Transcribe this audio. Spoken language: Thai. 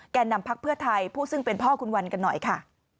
นำพักเพื่อไทยผู้ซึ่งเป็นพ่อคุณวันกันหน่อยค่ะ